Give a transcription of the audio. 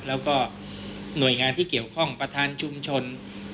แล้วก็หน่วยงานที่เกี่ยวข้องประธานชุมชน